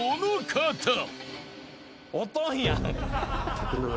おとんやん！